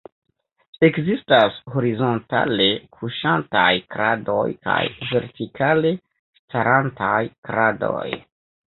Ekzistas horizontale kuŝantaj kradoj kaj vertikale starantaj kradoj.